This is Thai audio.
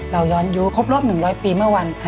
เราย้อนยุครบรอบ๑๐๐ปีเมื่อวัน